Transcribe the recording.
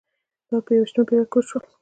دا په یوویشتمه پېړۍ کې وشول.